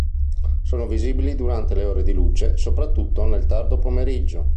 Sono visibili durante le ore di luce, soprattutto nel tardo pomeriggio.